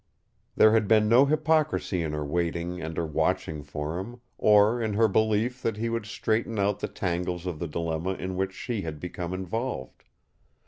There had been no hypocrisy in her waiting and her watching for him, or in her belief that he would straighten out the tangles of the dilemma in which she had become involved.